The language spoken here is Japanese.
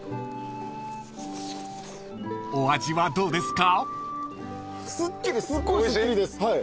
［お味はどうですか？］